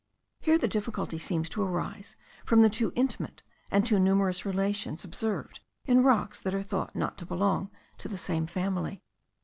Here the difficulty seems to arise from the too intimate and too numerous relations observed in rocks that are thought not to belong to the same family.